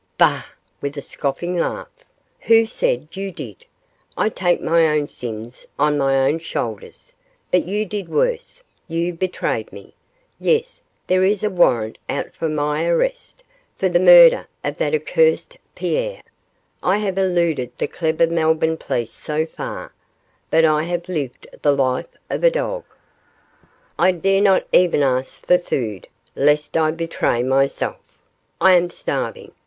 'Bah!' with a scoffing laugh, 'who said you did? I take my own sins on my own shoulders; but you did worse; you betrayed me. Yes; there is a warrant out for my arrest, for the murder of that accursed Pierre. I have eluded the clever Melbourne police so far, but I have lived the life of a dog. I dare not even ask for food, lest I betray myself. I am starving!